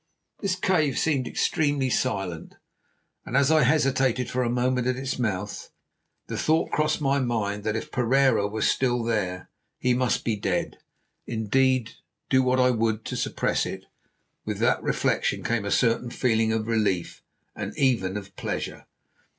This cave seemed extremely silent, and, as I hesitated for a moment at its mouth, the thought crossed my mind that if Pereira were still there, he must be dead. Indeed, do what I would to suppress it, with that reflection came a certain feeling of relief and even of pleasure.